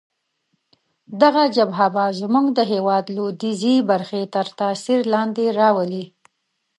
دغه جبهه به زموږ د هیواد لویدیځې برخې تر تاثیر لاندې راولي.